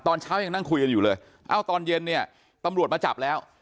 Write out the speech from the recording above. ตอนเช้ายังนั่งคุยกันอยู่เลยตอนเย็นปำรวจมาจับแล้ว